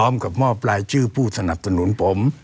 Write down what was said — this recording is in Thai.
มอบรายชื่อผู้สนับสนุนผม